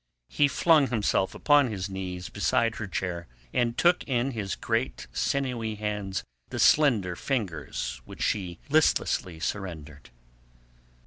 He flung himself upon his knees beside her chair, and took in his great sinewy hands the slender fingers which she listlessly surrendered.